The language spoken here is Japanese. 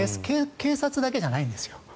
警察だけじゃないんですよ。